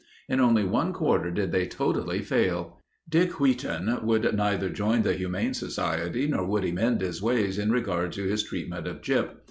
In only one quarter did they totally fail. Dick Wheat on would neither join the Humane Society nor would he mend his ways in regard to his treatment of Gyp.